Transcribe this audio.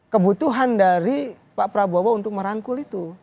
kebutuhan dari pak prabowo untuk merangkul itu